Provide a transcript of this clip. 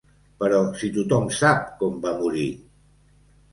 Però si tothom sap com va morir!